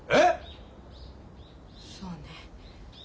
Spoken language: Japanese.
そうね。